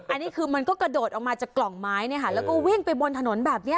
อันนี้คือมันก็กระโดดออกมาจากกล่องไม้เนี่ยค่ะแล้วก็วิ่งไปบนถนนแบบนี้